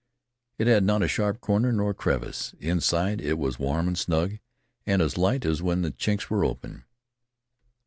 It had not a sharp corner nor a crevice. Inside it was warm and snug, and as light as when the chinks were open.